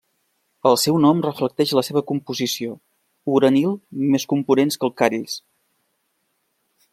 El seu nom reflecteix la seva composició: uranil més components calcaris.